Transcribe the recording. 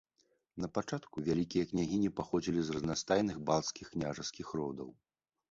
Напачатку вялікія княгіні паходзілі з разнастайных балцкіх княжацкіх родаў.